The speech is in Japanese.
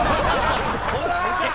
ほら！